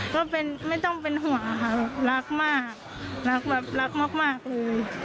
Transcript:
ก็เป็นไม่ต้องเป็นห่วงค่ะรักมากรักแบบรักมากเลย